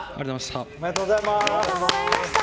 ありがとうございます。